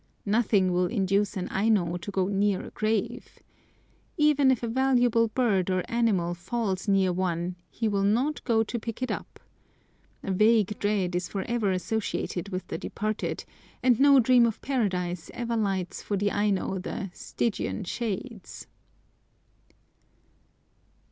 Nothing will induce an Aino to go near a grave. Even if a valuable bird or animal falls near one, he will not go to pick it up. A vague dread is for ever associated with the departed, and no dream of Paradise ever lights for the Aino the "Stygian shades."